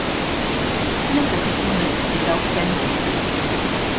Meta se jkunu lesti dawk pendenti?